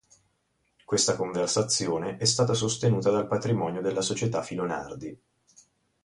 Questa conversione è stata sostenuta dal patrimonio della società Filonardi.